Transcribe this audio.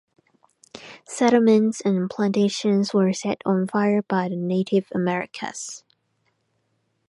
Settlements and plantations were set on fire by the Native Americas.